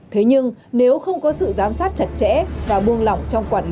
thế nhưng nếu không có sự giám sát chặt chẽ và buông lỏng trong quản lý